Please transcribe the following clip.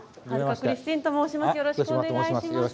よろしくお願いします。